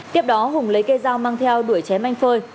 tiếp đó hùng lấy cây dao mang theo đuổi chém anh phơi